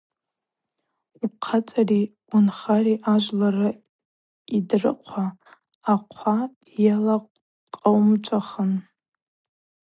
Ухъацӏари уынхари ажвлара йдрыхъва, ахъва йылакъауымчӏвахын.